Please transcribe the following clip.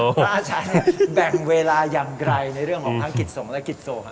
พระอาจารย์แบ่งเวลาอย่างไกลในเรื่องของทั้งกิจสงฆ์และกิจส่ง